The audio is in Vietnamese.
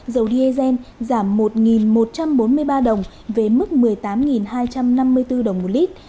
dầu diesel giảm một một trăm bốn mươi ba đồng về mức một mươi tám hai trăm năm mươi bốn đồng một lít